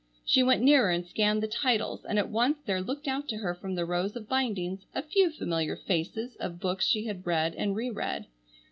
She went nearer and scanned the titles, and at once there looked out to her from the rows of bindings a few familiar faces of books she had read and re read.